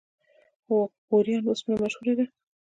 غوریان وسپنه مشهوره ده؟